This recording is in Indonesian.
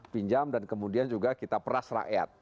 pinjam dan kemudian juga kita peras rakyat